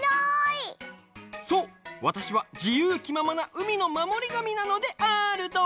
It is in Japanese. わたしはじゆうきままなうみのまもりがみなのであるドン！